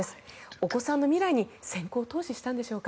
お子さんの未来に先行投資したんでしょうか。